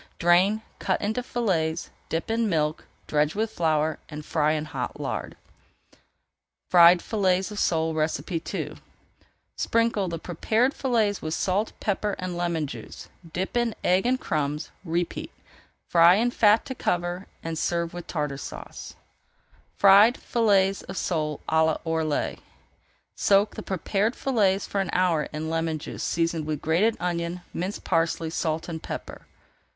Drain, cut into fillets, dip in milk, dredge with flour, and fry in hot lard. FRIED FILLETS OF SOLE II Sprinkle the prepared fillets with salt, pepper, and lemon juice, dip in egg and crumbs, repeat, fry in fat to cover, and serve with Tartar Sauce. [Page 383] FRIED FILLETS OF SOLE À L'ORLY Soak the prepared fillets for an hour in lemon juice seasoned with grated onion, minced parsley, salt and pepper.